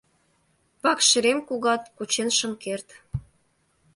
Вакшерем кугат — кучен шым керт.